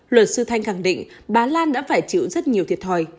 luật sư thanh khẳng định bà lan đã phải chịu rất nhiều thiệt thòi